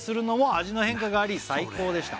「味の変化があり最高でした」